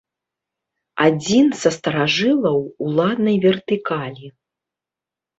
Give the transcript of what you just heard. Адзін са старажылаў уладнай вертыкалі.